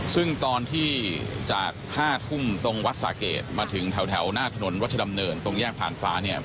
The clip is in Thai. ซึ่งตอนที่จาก๕ทุ่มตรงวัดสาเกตมาถึงแถวหน้าถนนรัชดำเนินตรงแยกผ่านฟ้าเนี่ย